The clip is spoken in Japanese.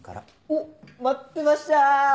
おっ待ってました